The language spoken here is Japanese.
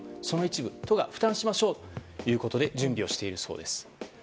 その一部都が負担しましょうということで準備をしているそうです。